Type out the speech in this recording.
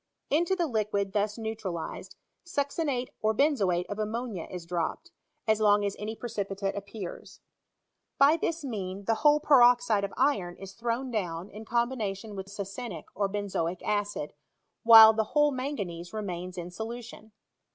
Into the liquid thus neutralized, succinate or benzoate of ammonia is dropped, as long as any precipitate appears. By this means, the whole peroxide of iron is thrown down in combination with succinic, or benzoic acid, while the whole manganese remains in solution.